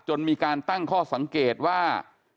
จนมีการตั้งข้อสังเกตว่า